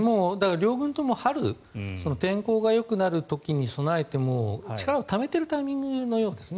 両軍とも春天候がよくなる時に備えて力をためているタイミングのようですね。